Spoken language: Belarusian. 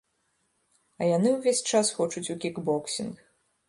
А яны ўвесь час хочуць у кікбоксінг.